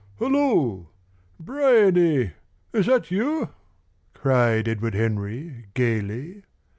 "Hello! Bryany! Is that you?" cried Edward Henry gaily.